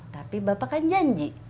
tapi bapak kan janji